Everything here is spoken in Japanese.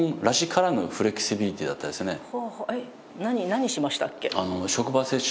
何しましたっけ？